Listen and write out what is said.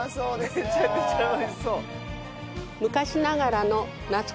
めちゃくちゃ美味しそう！